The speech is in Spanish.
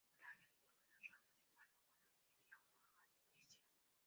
Un ángel le dio una rama de palma, con la que viajó a Galicia.